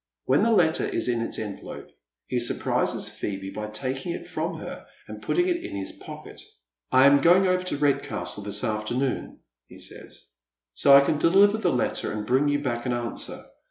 When the letter is in its envelope he surprises Phoebe by taking it from her and putting it in his pocket. " I am going over to Redcastle tMs afternoon," he saya, " so I can deliver the letter and bring you back an answer.